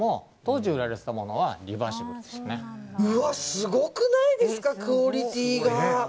すごくないですかクオリティーが。